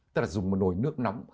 tức là dùng một nồi nước nóng